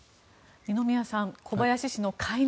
二宮さん、小林氏の解任